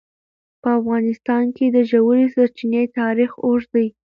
په افغانستان کې د ژورې سرچینې تاریخ اوږد دی.